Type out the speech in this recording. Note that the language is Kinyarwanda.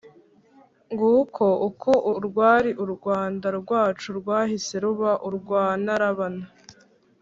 nguko uko urwari rwanda-rwacu rwahise ruba urwa ntarabana